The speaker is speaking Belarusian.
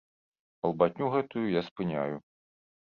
Балбатню гэтую я спыняю.